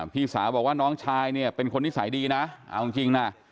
พี่สาวบอกว่าน้องชายเนี่ยเป็นคนนิสัยดีนะเอาจริงนะ